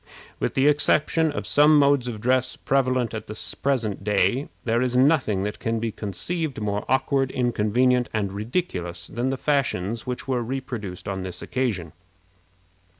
With the exception of some modes of dress prevalent at the present day, there is nothing that can be conceived more awkward, inconvenient, and ridiculous than the fashions which were reproduced on this occasion.